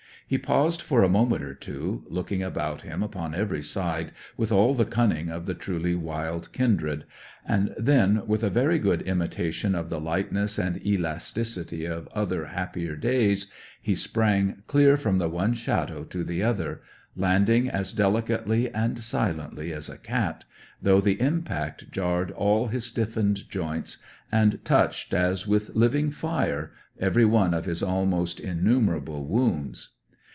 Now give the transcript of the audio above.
He paused for a moment or two, looking about him upon every side with all the cunning of the truly wild kindred; and then, with a very good imitation of the lightness and elasticity of other, happier days, he sprang clear from the one shadow to the other, landing as delicately and silently as a cat, though the impact jarred all his stiffened joints, and touched, as with living fire, every one of his almost innumerable wounds.